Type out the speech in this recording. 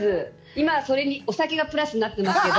今、それにお酒がプラスになってますけど。